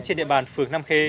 trên địa bàn phường nam khê